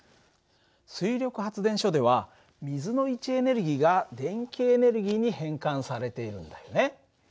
水力発電所では水の位置エネルギーが電気エネルギーに変換されているんだよね。